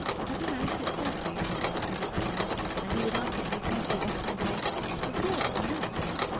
"Have you managed it so soon?" his aunt would exclaim, and he would answer in a carefully offhand way, "Of course. Why not?"